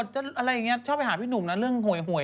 คุณจะเล่นหมวดอะไรอย่างนี้ชอบไปหาพี่หนุ่มนะเรื่องหวยเนี่ย